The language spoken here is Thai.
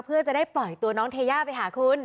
เพื่อจะได้ปล่อยตัวน้องเทย่าไปหาคุณ